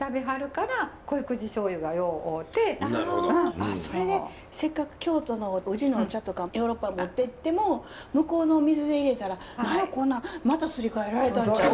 ああそれでせっかく京都の宇治のお茶とかヨーロッパに持ってっても向こうのお水でいれたら「何やこんなんまたすり替えられたんちゃう」。